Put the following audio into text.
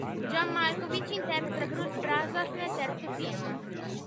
John Malkovich interpreta Bruce Brazos nel terzo film.